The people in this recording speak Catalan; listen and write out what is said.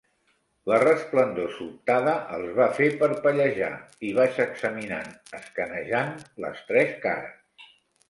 La resplendor sobtada els va fer parpellejar, i vaig examinant escanejant les tres cares.